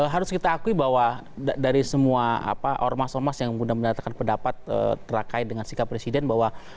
harus kita akui bahwa dari semua ormas ormas yang mudah menyatakan pendapat terkait dengan sikap presiden bahwa